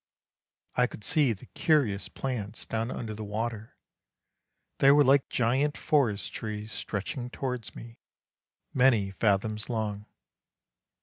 I could see the curious plants down under the water, they were like giant forest trees stretching towards me, many fathoms long.